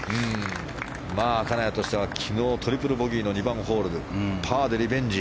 金谷としては昨日トリプルボギーの２番ホールを、パーでリベンジ。